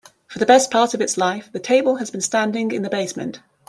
For the best part of its life, the table has been standing in the basement.